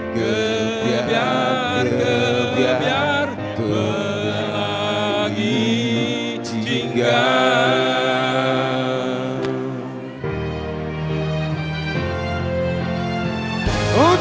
gebiar gebiar pelagi cinggah